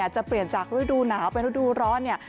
จะเปลี่ยนจากฤดูหนาวเป็นฤดูร้อนเนี่ย